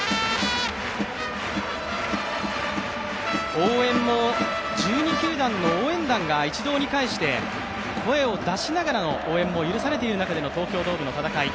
応援も１２球団の応援団が一堂に会して声を出しながらの応援も許されている中での東京ドームでの戦い。